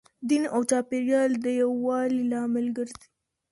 دین او چاپیریال د یووالي لامل ګرځي.